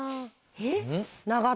えっ？